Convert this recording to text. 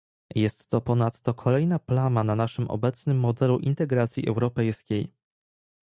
Jest to ponadto kolejna plama na naszym obecnym modelu integracji europejskiej